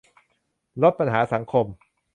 ลดปัญหาสังคม